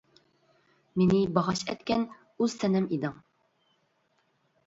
مېنى باغاش ئەتكەن ئۇز سەنەم ئىدىڭ.